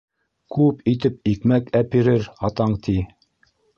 Күп итеп икмәк әпирер атаң, - ти...